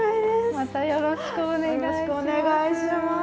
またよろしくお願いします。